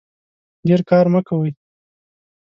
ډیر کار مه کوئ